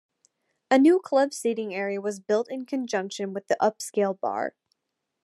A new club seating area was built in conjunction with a new upscale bar.